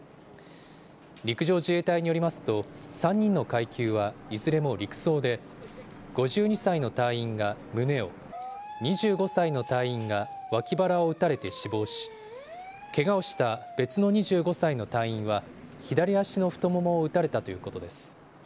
陸上自衛隊によりますと、３人の階級はいずれも陸曹で、５２歳の隊員が胸を、２５歳の隊員が脇腹を撃たれて死亡し、けがをした別の２５歳の隊員は、左足の太ももを撃たれたということです。